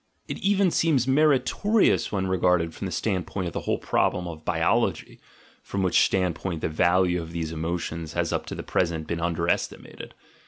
It even seems meritorious when regarded from the standpoint of the whole problem of biology (from which standpoint the value of these emotions has up to the present been underestimated).